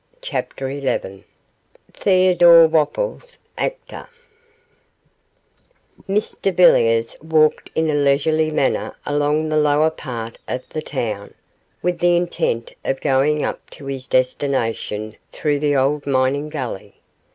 CHAPTER XI THEODORE WOPPLES, ACTOR Mr Villiers walked in a leisurely manner along the lower part of the town, with the intent of going up to his destination through the old mining gully.